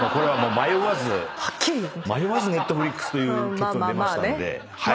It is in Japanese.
迷わずＮｅｔｆｌｉｘという結論出ましたので。